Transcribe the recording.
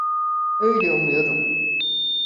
Öyle umuyorum.